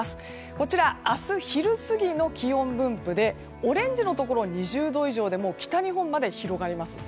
こちら、明日昼過ぎの気温分布でオレンジのところは２０度以上北日本まで広がります。